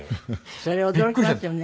それは驚きますよね。